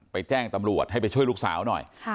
แจ้งตำรวจให้ไปช่วยลูกสาวหน่อย